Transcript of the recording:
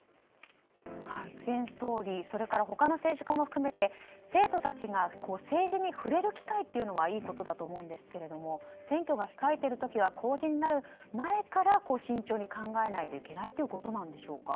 前総理、他の政治家も含めて生徒たちが政治に触れる機会というのはいいことだと思うんですけれども選挙が控えてる時は公示になる前から慎重に考えないといけないということなんでしょうか。